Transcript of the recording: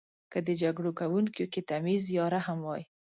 که د جګړو کونکیو کې تمیز یا رحم وای.